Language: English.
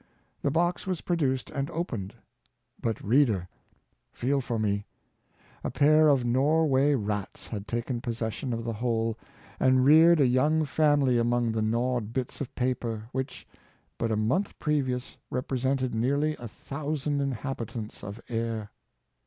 The box was produced and opened; but, reader, feel for me — a pair of Norway rats had taken possession of the whole, and reared a young family among the gnawed bits of paper, which, but a month previous, represented nearly a thousand inhabitants of air!